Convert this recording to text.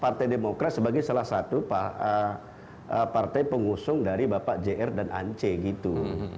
partai demokrat sebagai salah satu partai pengusung dari bapak jr dan ance gitu